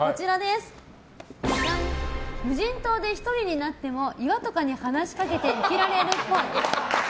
無人島で１人になっても岩とかに話しかけて生きられるっぽい。